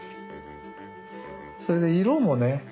それで色もね